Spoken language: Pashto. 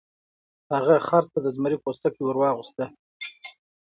هغه خر ته د زمري پوستکی ور واغوسته.